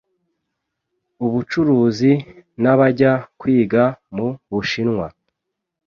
ubucuruzi n'abajya kwiga mu Bushinwa